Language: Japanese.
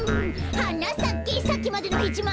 「はなさけさっきまでのヘチマ」